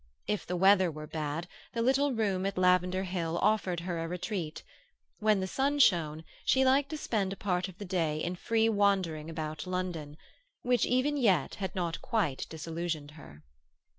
If the weather were bad, the little room at Lavender Hill offered her a retreat; when the sun shone, she liked to spend a part of the day in free wandering about London, which even yet had not quite disillusioned her.